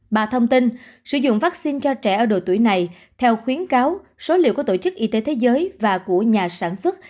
bà thông tin sử dụng vaccine cho trẻ ở độ tuổi này theo khuyến cáo số liệu của tổ chức y tế thế giới và của nhà sản xuất